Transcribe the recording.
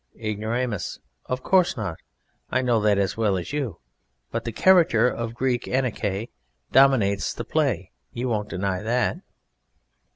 IGNORAMUS. Of course not. I know that as well as you, but the character of [Greek: Anankae] dominates the play. You won't deny that?